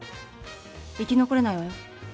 生き残れないわよ。